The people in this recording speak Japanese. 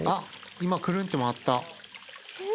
今、くるんって回った。